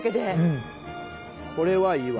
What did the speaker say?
これはいいわ。